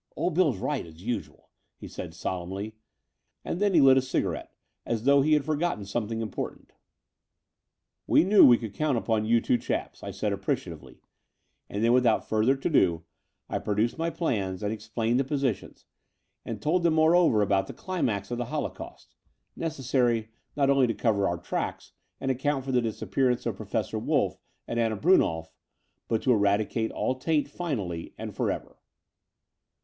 "Old Bill's right, as usual," he said solemnly: and then he lit a cigarette, as though he had for gotten something important. "We knew we could count upon you two chaps," I said appreciatively: and then without further to do I produced my plans and explained the positions, and told them moreover about the climax of the holocaust, necessary not only to cover The Dower House 271 our tracks and account for the disappearance of Professor Wolff and Anna Brunnolf , but to eradi cate all taint finally and for ever.